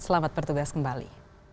selamat bertugas kembali